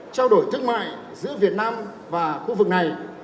trao đổi thương mại giữa việt nam và khu vực này